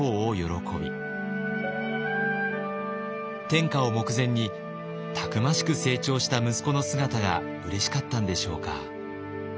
天下を目前にたくましく成長した息子の姿がうれしかったんでしょうか。